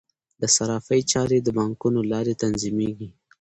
د صرافۍ چارې د بانکونو له لارې تنظیمیږي.